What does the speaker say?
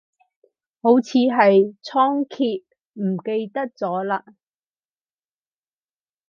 好似係倉頡，唔記得咗嘞